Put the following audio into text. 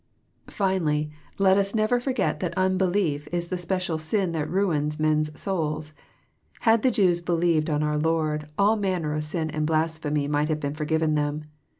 JOHN, CHAP. vin. 91 Finally, let as never forget that unbelief is the special sin that ruins men's souls. Had the Jews believed on our Lord, all manner of sin and blasphemy might have been forgiven them.